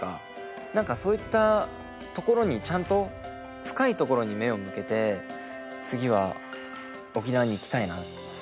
何かそういったところにちゃんと深いところに目を向けて次は沖縄に行きたいな。